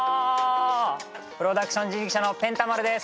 プロダクション人力舎のペンた丸です。